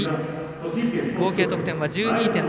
合計得点は１２．７３３。